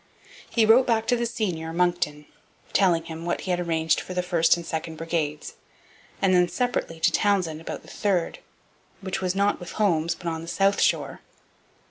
He wrote back to the senior, Monckton, telling him what he had arranged for the first and second brigades, and then, separately, to Townshend about the third, which was not with Holmes but on the south shore.